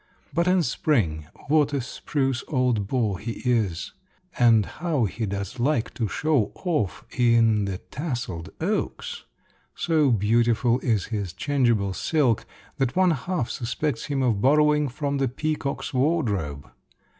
But in spring, what a spruce old beau he is! and how he does like to show off in the tasseled oaks! So beautiful is his changeable silk that one half suspects him of borrowing from the peacock's wardrobe.